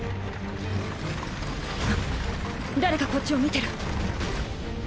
誰かこっちを見てる。